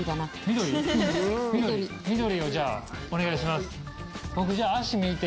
緑をじゃあお願いします。